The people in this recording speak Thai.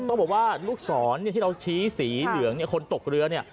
ต้องบอกว่าลูกศรที่เราชี้สีเหลืองเนี่ยคนตกเรือเนี่ย